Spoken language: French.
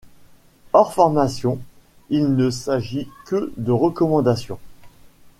Hors formation, il ne s'agit que de recommandantions.